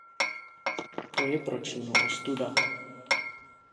To je pro Čínu ostuda.